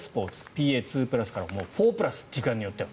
ＰＡ２プラスから４プラス時間によっては。